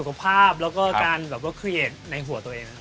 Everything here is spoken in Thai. ว่าถ้าการกับกล้องมันเขาอาจนะ